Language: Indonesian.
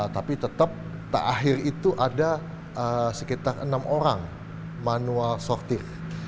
tapi tetap terakhir itu ada sekitar enam orang manual sortir